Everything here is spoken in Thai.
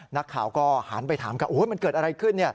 นักข่าวก็หันไปถามกันมันเกิดอะไรขึ้น